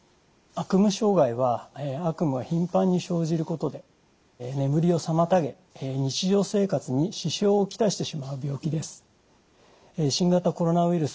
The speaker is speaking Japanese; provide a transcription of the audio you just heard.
悪夢障害は悪夢がひんぱんに生じることで眠りを妨げ日常生活に支障を来してしまう病気です。